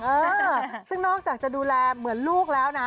เออซึ่งนอกจากจะดูแลเหมือนลูกแล้วนะ